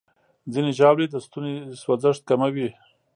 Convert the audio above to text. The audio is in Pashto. ځینې ژاولې د ستوني سوځښت کموي.